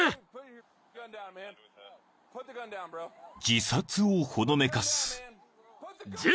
［自殺をほのめかす］よせ！